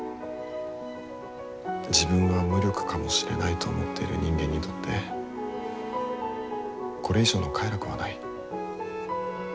自分は無力かもしれないと思っている人間にとってこれ以上の快楽はない。